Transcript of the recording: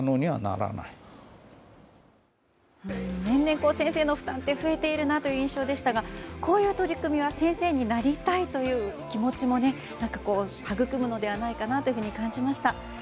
年々、先生の負担って増えているなという印象でしたがこういう取り組みは先生になりたいという気持ちも育むのではないかなと感じました。